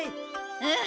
うん。